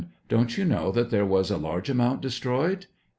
Don't you know that there was a large amount destroyed